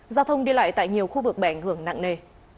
giao thông đi lại tại nhiều khu vực bẻ ngưỡng nặng nề